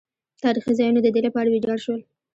تاریخي ځایونه د دې لپاره ویجاړ شول.